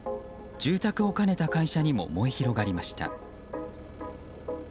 住宅を兼ねた会社にも燃え広がりました。